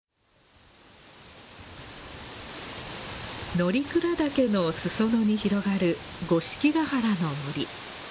乗鞍岳の裾野に広がる五色ヶ原の森。